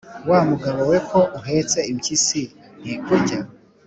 "Wa mugabo we ko uhetse impyisi ntikurya?"